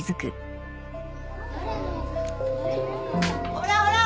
ほらほら。